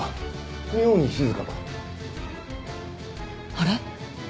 あれ？